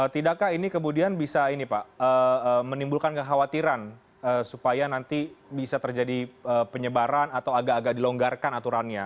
tidakkah ini kemudian bisa ini pak menimbulkan kekhawatiran supaya nanti bisa terjadi penyebaran atau agak agak dilonggarkan aturannya